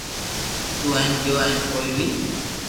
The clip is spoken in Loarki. ھي ھين گيو ھي ڪوئي ني